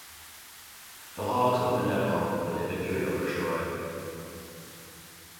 The Hogs opened at home with a victory over Troy.